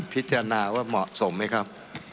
พิจารณาว่าเหมาะสมไหมครับ